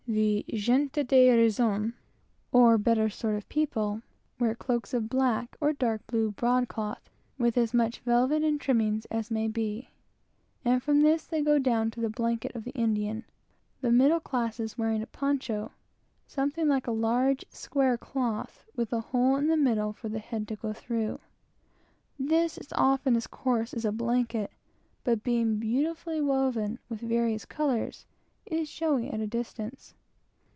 The "gente de razón," or aristocracy, wear cloaks of black or dark blue broadcloth, with as much velvet and trimmings as may be; and from this they go down to the blanket of the Indian; the middle classes wearing something like a large table cloth, with a hole in the middle for the head to go through. This is often as coarse as a blanket, but being beautifully woven with various colors, is quite showy at a distance.